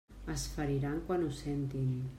Es feriran quan ho sentin.